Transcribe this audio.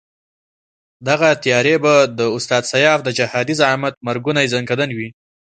دغه تیاري به د استاد سیاف د جهادي زعامت مرګوني ځنکندن وي.